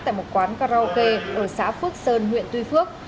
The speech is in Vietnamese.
tại một quán karaoke ở xã phước sơn huyện tuy phước